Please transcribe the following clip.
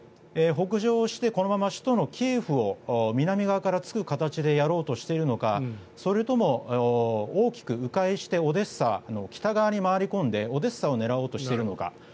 北上してこのまま首都のキエフを南側からつく形でやろうとしているのかそれとも大きく迂回してオデッサの北側に回り込んでオデッサを狙おうとしているのか